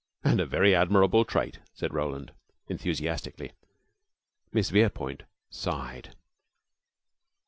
"And a very admirable trait," said Roland, enthusiastically. Miss Verepoint sighed.